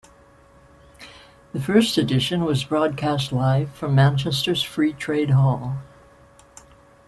The first edition was broadcast live from Manchester's Free Trade Hall.